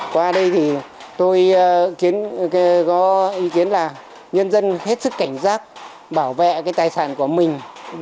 qua đây thì tôi có ý kiến là nhân dân hết sức cảnh giác bảo vệ cái tài sản của mình